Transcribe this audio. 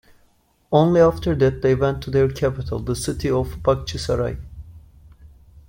Only after that they went to their capital, the city of Bakhchisarai.